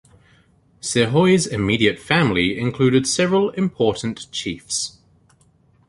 Sehoy's immediate family included several important chiefs.